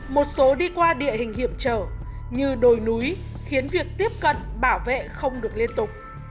một số đi qua địa hình hiểm trở như đồi núi khiến việc tiếp cận bảo vệ không được liên tục